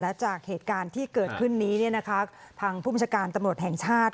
และจากเหตุการณ์ที่เกิดขึ้นนี้เนี่ยนะคะทางภูมิศการตำรวจแห่งชาติ